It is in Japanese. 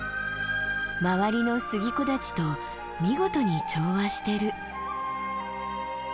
周りの杉木立と見事に調和してる。